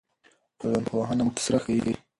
ټولنپوهنه موږ ته څه راښيي؟